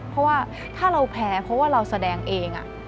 เพราะว่าถ้าเราแพ้เพราะว่าเราแสดงเอง